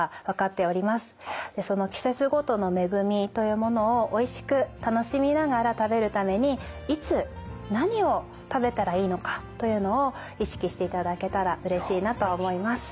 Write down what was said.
その季節ごとの恵みというものをおいしく楽しみながら食べるためにいつ何を食べたらいいのかというのを意識していただけたらうれしいなと思います。